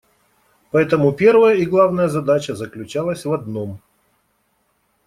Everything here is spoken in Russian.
Поэтому первая и главная задача заключалась в одном.